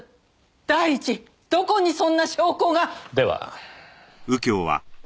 第一どこにそんな証拠が？では。